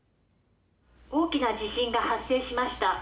大きな地震が発生しました。